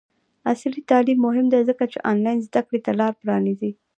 عصري تعلیم مهم دی ځکه چې آنلاین زدکړې ته لاره پرانیزي.